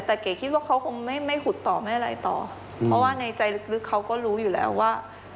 แต่เก๋คิดว่าเขาคงไม่ไม่ขุดต่อไม่อะไรต่อเพราะว่าในใจลึกเขาก็รู้อยู่แล้วว่า